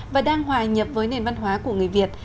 và đang hòa nhập với nền văn hóa của người việt